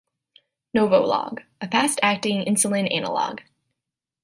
NovoLog - a fast-acting insulin analog.